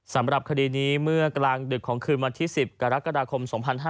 สำหรับคดีนี้เมื่อกลางดึกของคืนวันที่๑๐กรกฎาคม๒๕๕๙